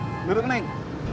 neng duduk neng